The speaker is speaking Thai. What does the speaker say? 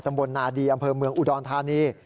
บนนาดีอำเภอเมืองอุดรธานี